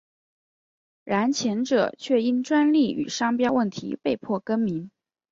然前者却因专利与商标问题被迫更名。